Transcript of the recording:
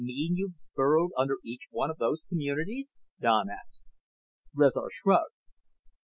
"You mean you've burrowed under each one of those 'communities'?" Don asked. Rezar shrugged.